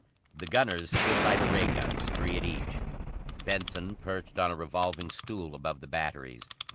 The gunners stood by the ray guns, three at each. Benson perched on a revolving stool above the batteries.